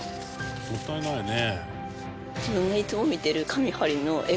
「もったいないね」